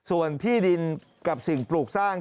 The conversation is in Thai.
ส่วนที่ดินกับสิ่งปลูกสร้าง